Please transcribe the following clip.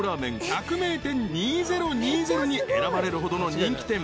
百名店２０２０に選ばれるほどの人気店。